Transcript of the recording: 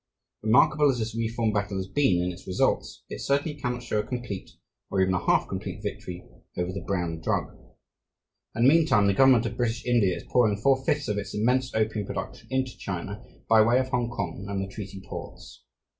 Remarkable as this reform battle has been in its results, it certainly cannot show a complete, or even a half complete, victory over the brown drug. And meantime the government of British India is pouring four fifths of its immense opium production into China by way of Hongkong and the treaty ports.